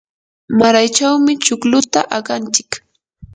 maraychawmi chukluta aqantsik.